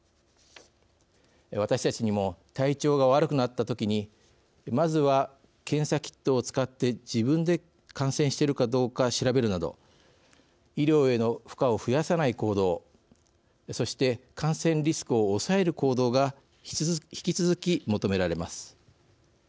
私たちにも体調が悪くなった時にまずは検査キットを使って自分で感染しているかどうか調べるなど医療への負荷を増やさない行動そして感染リスクを抑える行動が引き続き求められます。